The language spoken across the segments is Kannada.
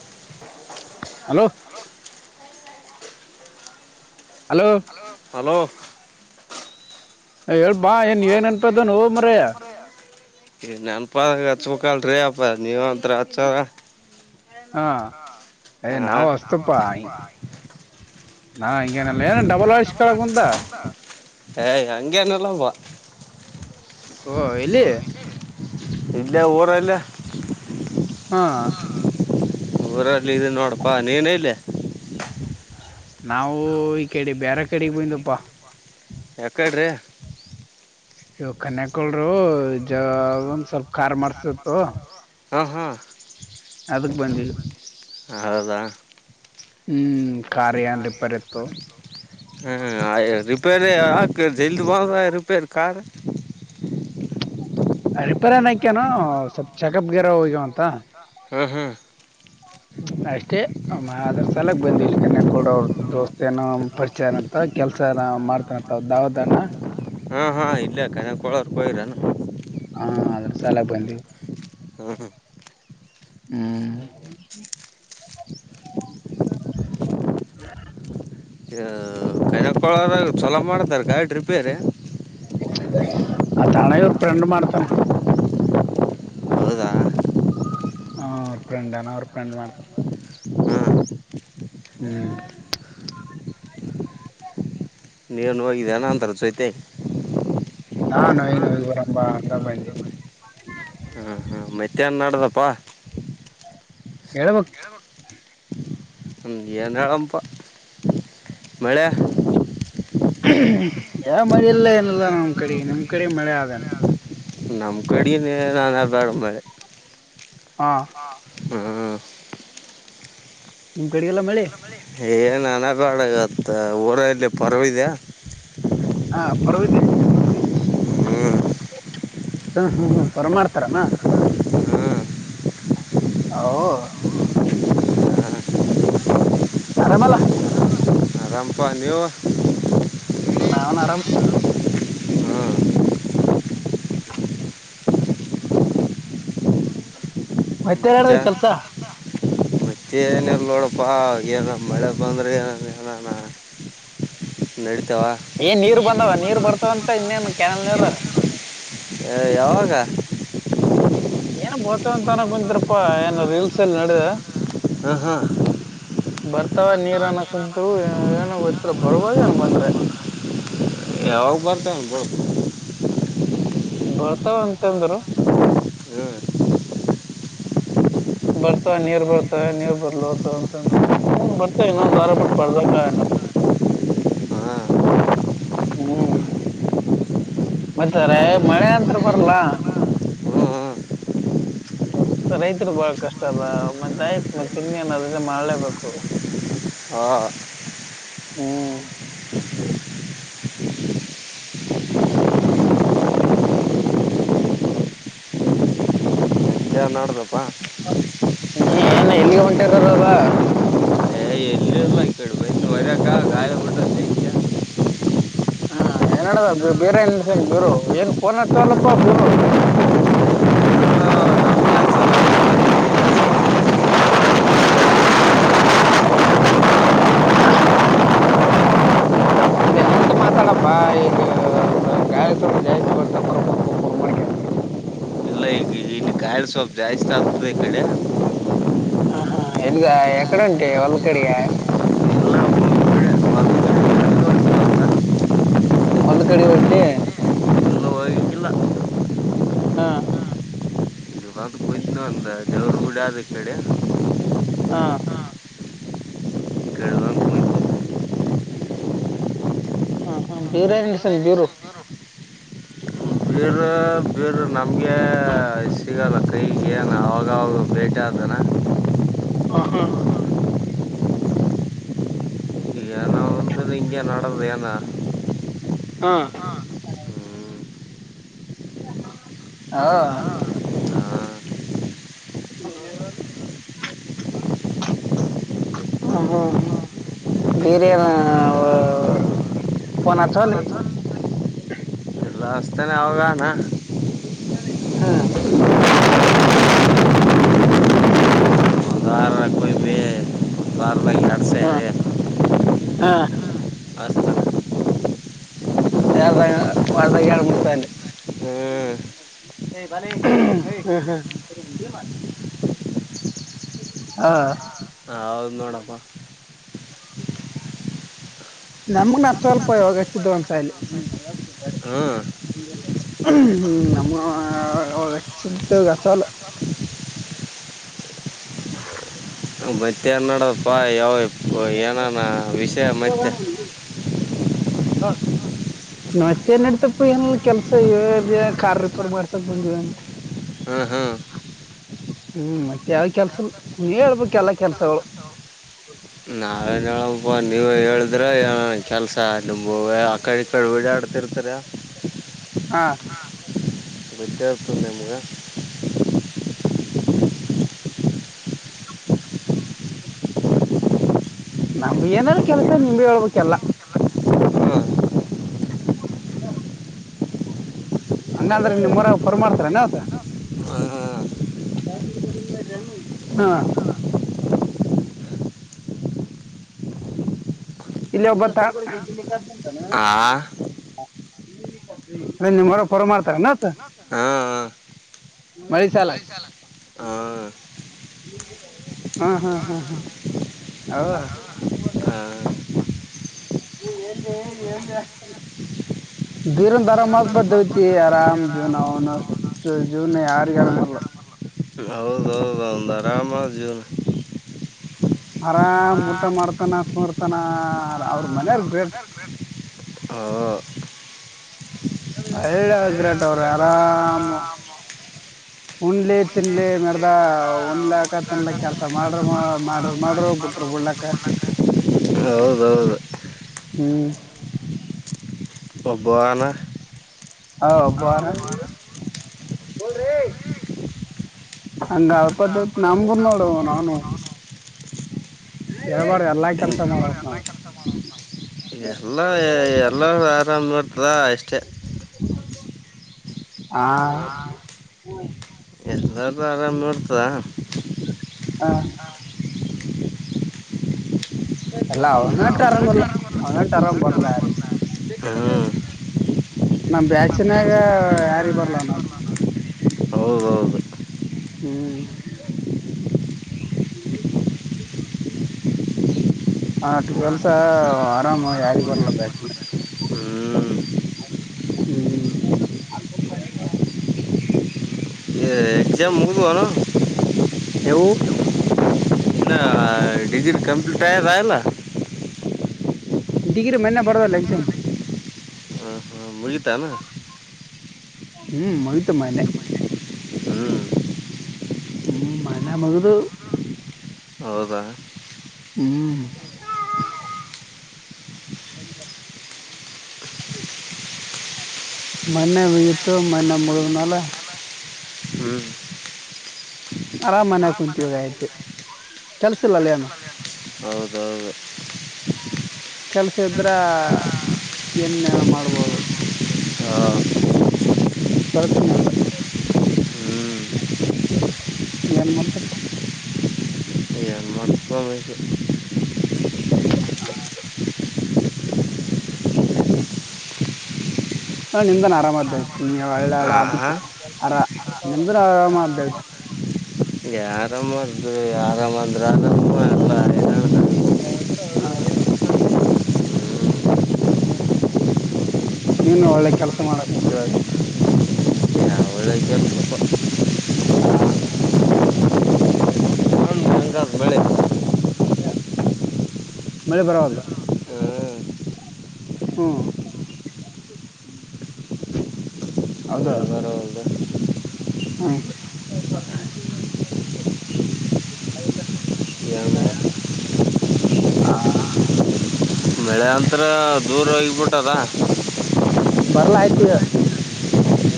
[inaudible] ಹಲೋ. ಹಲೋ. ಹಲೋ. ಹೇಳ್ ಬಾ ಏನ್ ಏನ್ ಅಂತದು ನೋವು ಮಾರಾಯ. ನೆನಪಾಗಿ ಹಚ್ಬೇಕಲ್ರೀ ಅಪ್ಪ ನೀವು ಅಂತ್ರು ಹಚ್ಚಲ್ಲ. ಹಾ ಏ ಹಾ ನಾವು. ತಪ್ಪಾ ನಾ. [unintelligible] ಹಂಗೇನಲ್ಲ ಏನ್ ಡಬಲ್ ವಾಯ್ಸ್ ಕೆಳ ಕುಂತ. ಹೇ ಹಂಗೇನಿಲ್ಲಪ್ಪ. ಓ ಎಲ್ಲಿ. ಇಲ್ಲೇ ಊರಲ್ಲಿ. ಹಾ. ಊರಲ್ಲಿ ಇದೇನಿ ನೋಡಪ್ಪಾ ನೀನ್ ಎಲ್ಲಿ. ನಾವು ಈ ಕಡೆ ಬೇರೆ ಕಡೆಗೆ ಬಂದಿವಪ್ಪ. ಎಕಡ್ ರ್ರೀ. ಇವ ಕನ್ಯಕಳರು ಜ. [unintelligible] ಒಂದು ಸ್ವಲ್ಪ ಕಾರ್ ಮಾಡ್ಸಬೇಕು. ಹಾ ಹಾ. ಅದಕ್ ಬಂದಿದ್ವಿ. ಹೌದ. ಹ್ಮ್ ಕಾರ್ ಏನ್ ರಿಪೇರಿ ಇತ್ತು. ಹಂ ಐ. [unintelligible] ರಿಪೇರಿ ಯಾಕ್ ಜಲ್ದಿ ಹೋಗ್ ರಿಪೇರಿ ಕಾರ್. ರಿಪೇರಿ ಅನಾಕೇನು ಸ್ವಲ್ಪ್ ಚೆಕಪ್ ಗೇರ್ ಹೋಗ್ಯವಂತಾ. ಹ್ಮ್ ಹ್ಮ್. ಅಷ್ಟೇ ಆದ್ರ ಸಲುವಾಗಿ ಬಂದ್ ಇಲ್ಲಿ ಕನ್ಯ ಕೂಡ ಅವ್ರು ದೋಸ್ತ ಏನೋ ಪರಿಚಯ ಇದಾನ್ ಅಂತಾ. ಕೆಲ್ಸನಾ ಮಾಡ್ತನಂತ ಬಾವಧಣ್ಣ. ಹಾ ಇಲ್ಲಾ ಕನ್ಯಾ ಕೋಲಾರ್ ಹೋಗಿರ್ ಏನ್. ಹಾ ಅದ್ರ ಸಲುವಾಗಿ ಬಂದವಿ. ಹಾಂ ಹಾಂ ಹ್ಮ್. ಹ್ಮ [unintelligible] ಹೇಳ್. [unintelligible] ಹೇಳಿಕೊಳೋದಾಗ ಏನ್ ಚಲೋ ಮಾಡ್ತಾರ್ ಗಾಡಿ ರಿಪೇರಿ. ಹಾ ತಾಣದರ್ ಫ್ರೆಂಡ್ ಮಾಡ್ತಾನ. ಹೌದಾ ಹೂ ಅವ್ರ ಫ್ರೆಂಡ್ ಏನು ಅವ್ರ ಫ್ರೆಂಡ್ ಮಾಡ್ತನಾ. ಹಾಂ ಹ್ಮ್. [unintelligible] ನೀವೇನ್ ಹೋಗಿರೇನು ಅಂತರ ಜೊತೆ. ನಾ ನೋಯಿ ನುರೆಂಬ. [unintelligible] ಅಂಗಾ ಬಂದಿ. ಹಾ ಮತ್ತೇನು ನಡೆದಪ್ಪಾ. ಹೇಳ್ಬೇಕು. ಹೂ ಏಳನಪ್ಪ ಮಳೆ. [unintelligible] ಯಾ ಮಳೆ ಇಲ್ಲ ಏನಲ್ಲಿ ನಮ್ ಕಡಿಗೆ ನಿಮ್ ಕಡಿಗೆ ಮಳೆ ಅದಂಗ. ನಮ್ ಕಡಿ [unintelligible] ನಾನ ಬ್ಯಾಡ್ ಮಳಿ ಹಾ ಹ್ಮ್ ನಿಮ್ ಕಡೆ ಇಲ್ಲ ಮಳಿ ಏನ್ ಅನ ಬ್ಯಾಡ ಇವತ್ತ್ ಊರಲ್ಲಿ ಪರ್ವ ಇದ್ಯ [inaudible] ಹಾ ಪರ್ವಿದೆ [unintelligible] ಹ್ಮ್ ಹ ಹ್ಮ್ ಪರ್ ಮಾಡ್ತಾರೆನ ಹ್ಮ್ ಹೌ ಆರಾಮ್ ಅಲ್ಲ ಆರಾಮ್ ಪ್ಪ ನೀವು ನಾನ್ ಆರಾಮ್ ಹ್ಮ್ ಮತ್ತೆಡೋದ್ ಕೆಲ್ಸ ಮತ್ತೆ ಏನಿಲ್ಲ ನೋಡಪ್ಪಾ ಏನ್ ಮಳೆ ಬಂದ್ರೆ ಏನ್ ಏನಾನ ನೆಡೀತಾವ ಏನ್ ನೀರ್ ಬಂದಾವ ನೀರ್ ಬರ್ತವಂತ್ ಇನ್ನೇನ್ ಕೆನಲ್ ನೀರ್ ಏಯ್ ಯಾವಾಗ [unintelligible] ಏನ್ ಬೋರ್ತವ್ ಅಂತ ಅನಕಂತ್ರಪ್ಪಾ ಏನ್ ರೀಲ್ಸ್ ಅಲ್ಲಿ ನೋಡದೆ ಹಾ ಹಾ ಬರ್ತಾವ ನೀರನ್ನ ಕುಂತು ಏನೊ ಗೊತ್ತಿಲ್ಲ ಬರ್ಬೋದ್ ಏನ್ ಬಂದ್ರೆ ಯಾವಾವ್ ಬರ್ತವ್ ಬ್ ಬರ್ತಾವ್ ಅಂತಂದ್ರು ಹ್ಞೂ ಹ್ಮ [unintelligible] ಬರ್ತಾ ನೀರ್ ಬರ್ತಾ ನೀರ್ ಬರ್ಲೋತ್ ಅಂತಂದ್ರು ಹೂ ಬರ್ತಾ ಇನ್ನೊಂದ್ ವಾರ ಬಿಟ್ಟ್ ತರ್ಬೇಕ್ ನನ್ [unintelligible] ಹ ಹ್ಮ್ [unintelligible] ಮತಾರೆ ಹ್ಞೂ ಮಳೆ ಅಂತ್ರೂ ಬರ್ಲ್ಲಾ ಹ್ಞೂ ರೈತರು ಬಹಳ ಕಷ್ಟ ಅಲ್ಲ ಮತ್ತೆ ಆಯ್ತ್ ಮತ್ತೆ [unintelligible] ತಿನ್ನ ರಜೆ ಮಾಡ್ಲೇಬೇಕು ಹಾ ಹ್ಮ್ ಪ [unintelligible] ನೋಡ್ದೆಪ ನೀ ಏನ್ ಎಲ್ಲಿ ಹೊಂಟಿರದ ಅದ [unintelligible] [inaudible] ವ ಗಾಯ ಮದ ಹಾ [unintelligible] ಏನ್ದ ಬೇರೆ ಎನ್ಸ ಬೀರು ಏನ್ ಫೋನ್ ಹತ್ತಲ್ಲಪ್ಪ ಬೀರು ಹ್ಮ ಹಾ ಹಾ ಒಂದ್ ಲಿಂತ್ ಮಾತಾಡಪ್ಪಾ ಈಗ ಗಾಯ ಸ್ಣ [unintelligible] ಜಾಸ್ತಿ ಬರ್ತ ಕುರ್ ಕುರ್ ಕುರ್ ಕು [unintelligible] ಮಕಂತ [inaudible] ಇಲ್ಲೆ ಇದೀವಿ [inaudible] ಕಾಯಳ ಸ್ವಲ್ಪ ಜಾಸ್ತಿ ಆಗ್ತದೆ ಈ ಕಡೆ ಹ ಹಾ ಎಲ್ಲಿಗ [unintelligible] ಎಕಡಂೆ ಒಳ್ಳ ಕಡೆಗ ಹಾ ಹೊಲ್ಕಡೆ ಒಂಟಿ ಇನ್ನು ಹೋಗಿಲ್ಲ ಹಾ [inaudible] ಹಯ್ತನ ಅಂದ ದೇವರು ಗೂಡ ಅದು ಈ ಕಡೆ ಹಾ ಈ ಕಡೆ ಬಂದು ಕುಂತಿನಿ ಹ ಹ ಬೇರೆ ಎಂಡಸನ್ ಬಿರು ಬೀರ ಬೀರ ನಮ್ಗೆ ಸಿಗಲ್ಲ ಕೈಗೆ ನ ಆವಾಗವಾಗ ಬೇಟೆ ಆಗನ. ಹ ಹಾ ಏನೋ ಒಂದ ಹಿಂಗೇ ನಡದ ಏನ ಹಾ ಹಾ ಹ್ಮ್ [inaudible] ಹ ಹ್ಮ ಹ್ಮ ಬೇರೆ ಏನ ಪೋನ ಹಚಲ್ಲ ನಾಸ್ತಾನ ಅವಾಗಾನ ಹ್ಮ ಹಾ ಹಾ ಎರಡು ಸೇರಿ ಹಾ ಹ ಯಾರ್ದ ವಾರದಾಗ ಹಳ್ ಮುಡ್ತ ಹ್ಮ್ [unintelligible] ಹಾ ಹೌದ ನೋಡಪಾ [inaudible] ನಮ್ಮನ್ನ ಸ್ವಲ್ಪ ಯಾಗಚ್ಚಿದ್ದ ಒಂದ್ಸಾಲ ಹಾ ಹ್ಮ ನಮ್ಮ ಚ್ಚುದ್ದ ಗಾಛಲ್ಲ [inaudible] ಮತ್ತೆ ಏನ್ ನಡೋಪ್ಪಾ ಯಾವಗ ಏನಾನ ವಿಷ ಮತ್ತೆ ಹಲೋ ನತ್ತೆನ ನಡತಪ್ಪ ಏನ ಕೆಲ್ಸ ಇ ಕಾರ್ ರಿಪೇರ್ ಮಾಡ್ಸಕ ಬಂದಿವ. ಹ್ಮ ಹ್ಮ ಹ್ಮ ಮತ್ತ ಯಾವ ಕೆಲ್ಸ ಇಲ್ಲ ಹೇಳ್ಬೇಕ ಎಲ್ಲಾ ಕೆಲ್ಸಗಳು. ಅವನೊಬ್ಬ ನೀವೇ ಹೇಳ್ ಇದ್ರ ಕೆಲ್ಸ ನಿಮ್ಮು ಆಕಡೆ ಇಕಡಿ ಓಡಾಡ್ತಿರ್ತರ. ಹಾ ವಿದಾರ್ಥ ನಿಮಗ ನಮಗೇನ ಅಲ್ಲ ಕೆಲ್ಸ ನಿಮ್ದೇ ಹೇಳ್ಬೇಕಲ್ಲಾ. [inaudible] ಹಂಗಂದ್ರ ನಿಮ್ಮ ಮರ ಫೋರ್ ಮಾಡ್ತಾರನ ಅದ. ಹ ಇಲ್ಲಿ ಒಬ್ಬತ ಆ [unintelligible] ಅ ನಿಮ್ಮ ಹೊರ ಪರ ಮಾಡ್ತಾರನಾತ. ಹಾಂ ಮಳಿ ಸಾಲ. ಹಾಂ ಹ್ಮ ಹ್ಮ ಹ್ಮ ಹ್ಮ ಹೌ ನೀ ಎಲ್ಲಿ ಎಲ್ಲಿ ಬೀರಂದ ಆರಾಮ ಆಗ್ ಬತ್ತತಿ ಆರಾಮ ಜೀವನ ಅವನ ಅಷ್ಟ ಜೀವನ ಯಾರಗ ಆರಾಮಲ್ಲ. ಹೌದ ಹೌದ. ನಂದ ಆರಾಮ ಜೀವನ ಆರಾಮ ಊಟ ಮಾಡ್ತಾನ ಕುರ್ತಾನ ಅವ್ರ ಮನರ್ ಗ್ರೇಟ್. ಹ. ಹಳ್ಳೆ ಆಗ್ರಟ್ ಅವ್ರ ಆರಾಮ. [inaudible] ಉನ್ಲೆ ತಿನ್ಲಿ ಮಡ್ದ ಉಣಲಕ ತಿನ್ಲಕ್ಕ ಕೆಲ್ಸ ಮಾಡ್ರ ಮಾಡ್ರ ಮಾಡ್ರ ಬಿ. ಬಲಕ್ಕ. ಹೌದೌದು. ಹ್ಮ್. ಒಬ್ಬವಾನ. ಹ ಒಬ್ಬ ಬಾರಾ. ಅಂಗ ಅಲ್ಪದ ನಮಗು ನೋಡು ನಾನು. ಹೇಳ್ಬಾರು ಎಲ್ಲಾ ಕೆಲಸ ಮಾಡ್ಬೇಕ್ ನಾವು. ಎಲ್ಲ ಎಲ್ಲ ಆರಾಮ ಇರ್ತದ ಅಷ್ಟೇ. ಹಾ. ಎಲ್ಲಾರು ಆರಾಮ್ ಇರ್ತದ. ಹಾ. ಎಲ್ಲ ಅವನಟ ಆರಾಮರ್ಲ್ಲ ಅವನಟ ಆರಾಮ್ ಬರ್ಲ್ಲ ಯಾರಿಗೆ. ಹ್ಮ್ ನಮ ಬ್ಯಾಚನ್ಯಾಗ ಯಾರಿಗ ಬರ್ಲ ನೋಡ್. ಹೌದು ಹೌದು ಹ್ಮ್. ಅಟ ಕೆಲ್ಸ ಆರಾಮ ಯಾರಿಗೆ ಬರ್ಲ ನಮ್ಮ ಬ್ಯಾಚ್ ನ್ಯಾಗ. ಹ್ಮ್ ಹ್ಮ್. ಎಕ್ಸಾಮ ಮುಗದ್ವು ಏನು. ಯವು. ಇನ್ನ ಡಿಗ್ರಿ ಕಂಪ್ಯೂಟ ಆಗೇದ ಏನ್ ಇಲ್ಲ್. ಡಿಗ್ರಿ ಮೊನ್ನೆ ಬರೋದಲ್ಲ ಎಕ್ಸಾಮ್. ಮುಗಿತ ಅನ್ನ. ಹ್ಮ್ ಮಗಿತ ಮನ್ನೇ. ಹ್ಮ್ ಹ್ಮ್ ಮನ್ನೇ ಮುಗದು. ಹೌದಾ. ಹ್ಮ್. [inaudible] ಮೊನ್ನೆ ಇತ್ತು ಮೊನ್ನೆ ಮುಗಿದ ಮ್ಯಾಲ್. ಹ್ಮ್. ಅರಾಮ್ ಮನ್ಯಾಗ ಕುಂತವ ಈಗ ಐತಿ ಕೆಲ್ಸಿಲ್ಲಲ್ಲ ಏನು. ಹೌದೌದು. ಕೆಲ್ಸ ಇದ್ರ ಏನೇನ್ ಮಾಡ್ಬೋದು. ಕೆಲ್ಸನ ಇಲ್ಲ್. ಹ್ಮ್ ಏನ್ ಮಾಡ್ತಪ್ಪ. [inaudible] ಏನ್ ಮಾಡೋದ. [unintelligible] [inaudible] ಹ ನಿಂದನ ಆರಾಮ್ದಯತಿ ನೀ ಆ ಒಳ್ಳೆ ಆ, ಅದಕ್ಕೆ ಆರಾಮ ನಿಂದನ್ ಆರಾಮದತಿ. ಯಾ ಆರಾಮ ಅ ಯಾರಾಮ್ ಅಂದ್ರಗ ಎಲ್ಲ. ಹ್ಮ್, [inaudible] ಹ. ನೀನು ಒಳ್ಳೆ ಕೆಲ್ಸ ಮಾಡಕುಂತಿ ಇವಾಗ. ಯಾವ್ ಒಳ್ಳೆ ಕೆಲ್ಸಪ್ಪಾ. ಹಾ ಹಂಗಾದ ಬೆಳೆ ಮಳೆ ಪರವಲ್ಲ ಹ್ಮ್ ಹ್ಮ್ ಹೌದಾ ಮಳಿ ಬರವಲ್ದು ಹ್ಮ್ ಏನ್ ಮಾಡೋದು [unintelligible] ಹ ಬೆಳೆ ಅಂತ್ರ ದೂರ ಇಗ್ಬಿಟ್ಟದ ಬರ್ಲಾ ಆಯ್ತ ಈಗ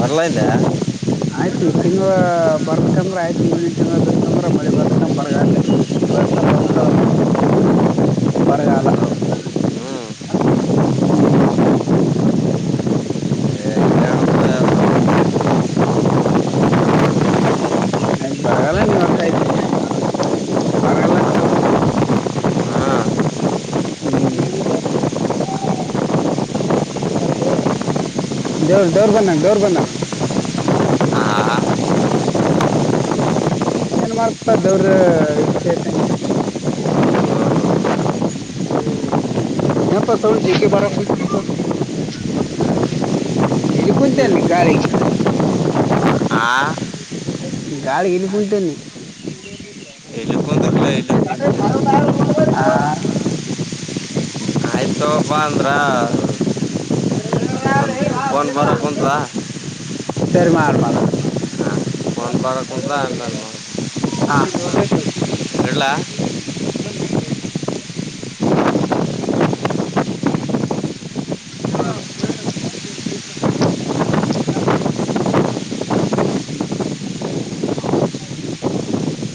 ಬರ್ಲದೆ ಆಯ್ತ ಈ ತಿಂಗಳು ಬರ್ಲಕಂದ್ರ ಆಯ್ತ್ ಮುಂದಿನ ತಿಂಗಳು ಬಿತ್ತಂದ್ರ ಮಳಿ ಬರ್ಲಕ ಬರಗಲ್ಲೇ ಈ ವರ್ಷ ಬಂತಾರಮಕ ಬರಗಾಲ ಹ್ಮ್ ಹ್ಮ್ ಹ್ಮ್ [inaudible] ಆಯ್ತ್ ಬರಗಲ್ಲ ನೀವ್ ಆರ್ತ ಆಯತಿ ಬರಗಲ್ಲ ಅಂತ ಹೇಳ್ತ ಹ್ಮ ದೇವರು ದೇವರ ಬಂದಂಗ ದೇವರು ಬಂದಂಗ ಆ, ಏನ್ ಮಾಡ್ಪ ದವ್ರ ಇಛೆತ [unintelligible] ಬಾರ ಎಲ್ಲಿ ಕುಂತನ್ನಿ ಗಾಳಿಗೆ [inaudible] ಗಾಳಿ ಇಲ್ಲಿ ಕುಂತೀನಿ ಹ್ಮ ಇಲ್ಲಿ ಕುಂದ್ರಲ್ಲ ಇಲ್ಲಿ [unintelligible] [inaudible] ಆಯ್ತು ತಗೋಪ ಅಂದ್ರ ಒಂದು ಫೋನ್ ಬರ ಕುಂತ ಸರಿ ಮಾಡನ ಮಾಡ ಫೋನ್ ಬರ ಹ ಕುಂತ ಆಮೇಲೆ ಮಾಡ್ ಅ ಬೇಕ ಇಡ್ಲಾ [inaudible] [inaudible] ಹಲೋ